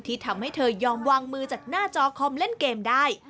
ที่ทำให้เธอยอมวางมือจากหน้าจอคอมเล่นเกมได้